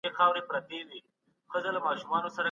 پلان جوړونه د اقتصادي پياوړتيا يوازينۍ لار ده.